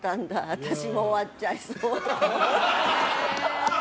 私も終わっちゃいそうって。